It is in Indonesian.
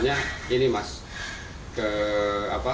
yang besar itu sebenarnya ini mas